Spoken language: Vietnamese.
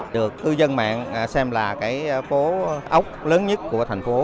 được cư dân mạng xem là cái phố ốc lớn nhất của thành phố